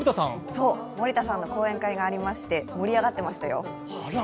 そう、森田さんの講演会がありまして、盛り上がっていましたよ。